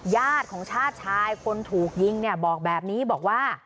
ญาติของชาติชายคนถูกยิงเนี่ยบอกแบบนี้บอกว่า